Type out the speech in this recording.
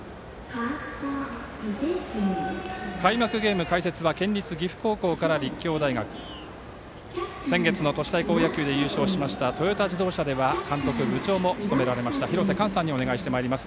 開幕ゲーム解説は県立岐阜高校から立教大学先月の都市対抗野球で優勝しましたトヨタ自動車では監督、部長も務められた廣瀬寛さんにお願いしてまいります。